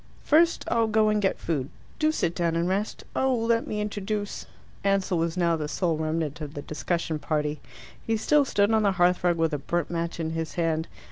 "First, I'll go and get food. Do sit down and rest. Oh, let me introduce " Ansell was now the sole remnant of the discussion party. He still stood on the hearthrug with a burnt match in his hand.